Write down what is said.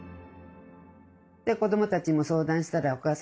子どもたちにも相談したら「お母さんいいじゃない。